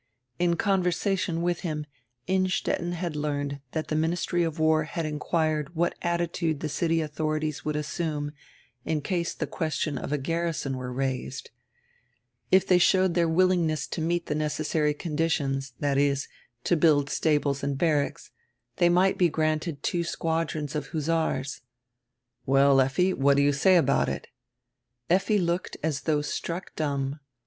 In conversation with him Innstetten had learned diat die ministry of war had inquired what attitude die city audiorities would assume in case die ques tion of a garrison were raised. If diey showed dieir wil lingness to meet the necessary conditions, viz.., to build stables and barracks, diey might be granted two squadrons of hussars. "Well, Effi, what do you say about it?" Effi looked as diough struck dumb.